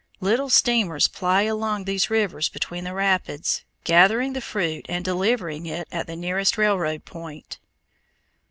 Little steamers ply along these rivers between the rapids, gathering the fruit and delivering it at the nearest railroad point.